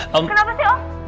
kenapa sih om